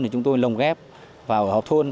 thì chúng tôi lồng ghép vào họp thôn